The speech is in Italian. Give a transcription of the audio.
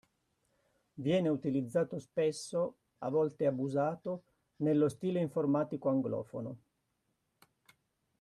Viene utilizzato spesso (a volte abusato) nello stile informatico anglofono.